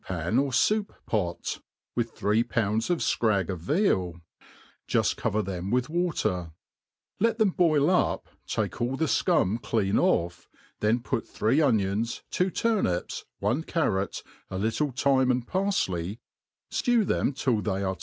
pan or foup pot| with (hfee pounds of (crag of veal, juft co? MADE PLAIN AND EASY, 87 them ^hh water ; let them boil up, take all the fcum clean '' oiF; then put three onions, two turnips, one carrot, a little thyme and parfley, ftew them till they are